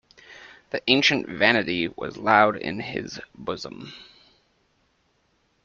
The ancient vanity was loud in his bosom.